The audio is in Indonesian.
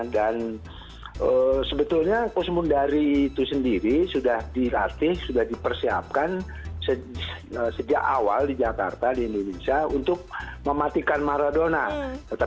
dan sebetulnya coach mundari itu sendiri sudah dilatih sudah dipersiapkan sejak awal di jakarta di indonesia untuk mematikan maradona